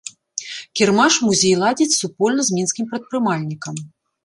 Кірмаш музей ладзіць супольна з мінскім прадпрымальнікам.